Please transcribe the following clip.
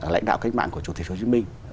lãnh đạo cách mạng của chủ tịch hồ chí minh